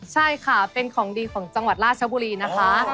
ใช่ค่ะเป็นของดีของจังหวัดราชบุรีนะคะ